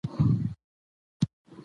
نازنين : پلار جانه دومره جګرخوني مه کوه.